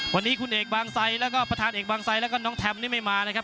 วันนี้คุณเอกบางไซดแล้วก็ประธานเอกบางไซดแล้วก็น้องแทมนี่ไม่มานะครับ